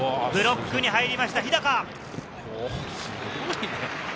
ブロックに入りました日高。